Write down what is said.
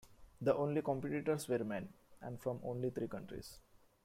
The only competitors were men, and from only three countries.